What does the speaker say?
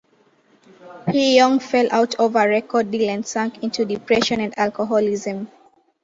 He Yong fell out over a record deal and sank into depression and alcoholism.